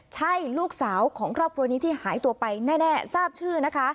ใช่ลูกสาวของครอบครัวนี้ที่หายตัวไปแน่ทราบชื่อนะคะ